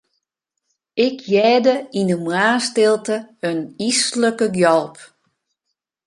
Ik hearde yn 'e moarnsstilte in yslike gjalp.